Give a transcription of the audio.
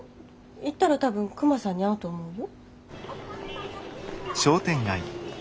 行ったら多分クマさんに会うと思うよ。